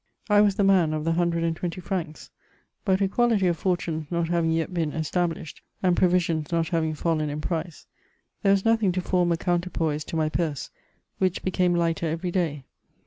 I was the man of the 120 francs ; but equality of fortunes ^ not having yet been established^ and proviMinis not having fallen in price, there was nothing to form a counterpoise to my purse, winch became lighter ev^ day.